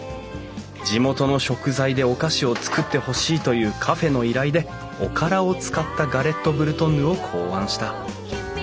地元の食材でお菓子を作ってほしいというカフェの依頼でおからを使ったガレットブルトンヌを考案した。